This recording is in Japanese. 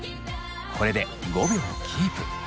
これで５秒キープ。